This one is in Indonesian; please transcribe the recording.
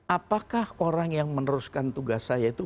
apakah orang yang meneruskan tugas saya itu